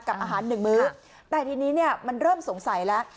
กับอาหารหนึ่งมื้อแต่ทีนี้เนี่ยมันเริ่มสงสัยแล้ว